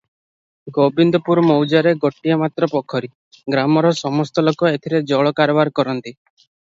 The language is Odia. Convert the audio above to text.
ଗୋବିନ୍ଦପୁର ମୌଜାର ଗୋଟିଏ ମାତ୍ର ପୋଖରୀ; ଗ୍ରାମର ସମସ୍ତଲୋକ ଏଥିରେ ଜଳ କାରବାର କରନ୍ତି ।